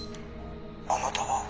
「あなたは」